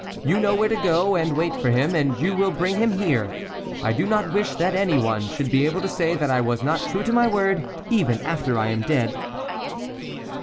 You know where to go and wait for him, and you will bring him here. I do not wish that any one should be able to say that I was not true to my word, ever after I am dead."